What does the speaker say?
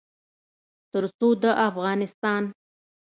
تر څو د افغانستان